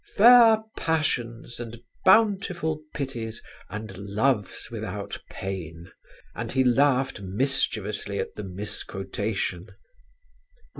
"'Fair passions and bountiful pities and loves without pain,'" and he laughed mischievously at the misquotation.